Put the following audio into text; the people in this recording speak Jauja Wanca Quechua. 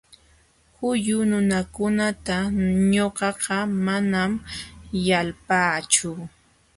Huyu nunakunata ñuqaqa manam yalpaachu.